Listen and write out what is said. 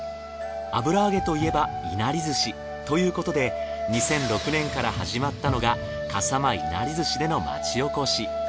油揚げといえばいなり寿司。ということで２００６年から始まったのが笠間いなり寿司での町おこし。